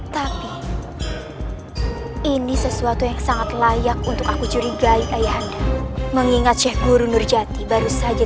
tapi ini sesuatu yang sangat layak untuk aku curiga ayahanda mengingat syekh guru nurjati baru saja